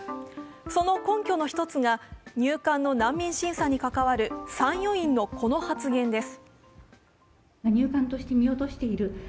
その根拠の１つが入管の難民審査に関わる参与員のこの発言です。